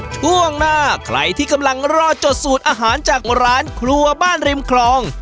ช่วงหน้าใครที่กำลังรอจดสูตรอาหารจากร้านครัวบ้านริมคลอง